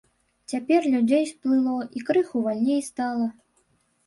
Цяпер людзей сплыло, і крыху вальней стала.